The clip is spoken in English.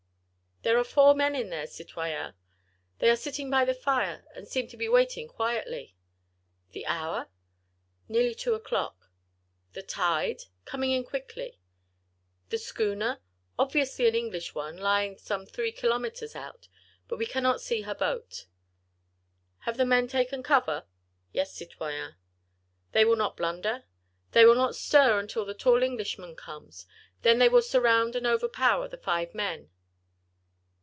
"There are four men in there, citoyen; they are sitting by the fire, and seem to be waiting quietly." "The hour?" "Nearly two o'clock." "The tide?" "Coming in quickly." "The schooner?" "Obviously an English one, lying some three kilometres out. But we cannot see her boat." "Have the men taken cover?" "Yes, citoyen." "They will not blunder?" "They will not stir until the tall Englishman comes, then they will surround and overpower the five men."